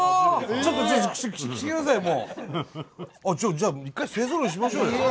じゃあ１回勢ぞろいしましょうよ。